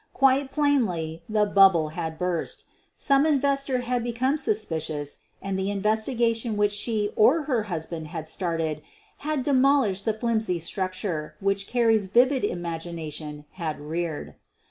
Quite plainly the bubble had burst. Some inves tor had become suspicious and the investigation which she or her husband had started had demol ished the flimsy structure which Carrie's vivid im agination had reared.